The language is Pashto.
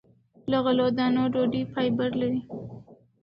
له غلو- دانو ډوډۍ فایبر لري.